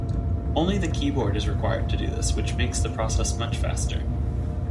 Only the keyboard is required to do this, which makes the process much faster.